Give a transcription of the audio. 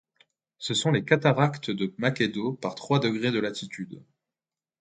Ce sont les cataractes de Makedo, par trois degrés de latitude.